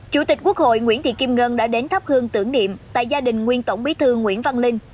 chủ tịch quốc hội nguyễn thị kim ngân đã đến thắp hương tưởng niệm tại gia đình nguyên tổng bí thư nguyễn văn linh